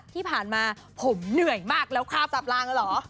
ที่ผ่านมาผมเหนื่อยมากแล้วค่าปรับลางแล้วเหรอ